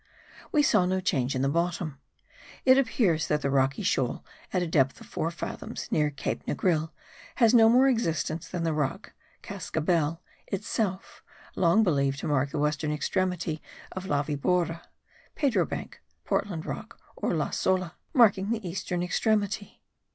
We saw no change in the bottom. It appears that the rocky shoal at a depth of four fathoms, near Cape Negril, has no more existence than the rock (cascabel) itself, long believed to mark the western extremity of La Vibora (Pedro Bank, Portland Rock or la Sola), marking the eastern extremity.